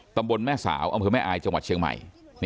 ตำบลแม่สาวอำเภอแม่อายจังหวัดเชียงใหม่